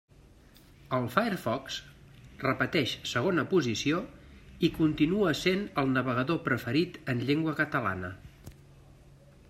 El Firefox repeteix segona posició, i continua sent el navegador preferit en llengua catalana.